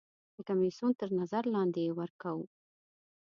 د کمیسیون تر نظر لاندې یې ورکوو.